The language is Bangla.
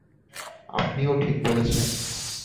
আপনিও ঠিক বলছেন।